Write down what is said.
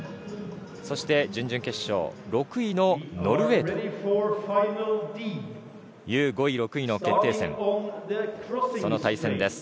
そして準決勝６位のノルウェーと５位６位の決定戦。